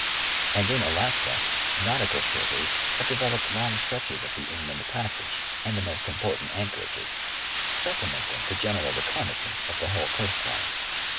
And in Alaska, Nautical surveys have developed long stretches of the " Inland passage " and the most important anchorages, sup plementing the general reconnaissance of the whole coast line.